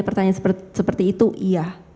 pertanyaan seperti itu iya